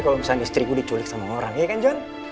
kalau misalnya istriku diculik sama orang ya kan john